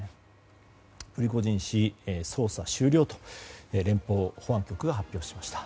プリゴジン氏の捜査終了と連邦保安局が発表しました。